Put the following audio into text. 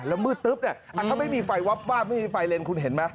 แล้วมืดตึ๊บเนี่ยถ้าไม่มีไฟวับวาบไม่มีไฟเลนคุณเห็นไหม